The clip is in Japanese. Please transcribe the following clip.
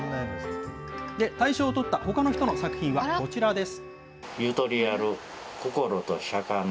大賞をとったほかの人の作品はこちらです。